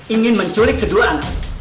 ingin menculik kedua anakmu